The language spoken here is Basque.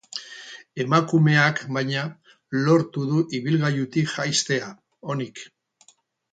Emakumeak, baina, lortu du ibilgailutik jaistea, onik.